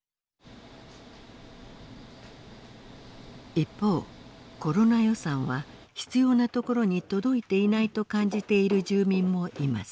一方コロナ予算は必要なところに届いていないと感じている住民もいます。